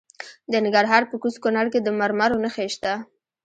د ننګرهار په کوز کونړ کې د مرمرو نښې شته.